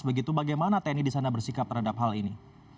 begitu bagaimana tni di sana bersikap terhadap hal ini